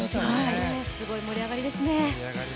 すごい盛り上がりですね。